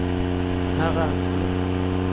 هغه انځور،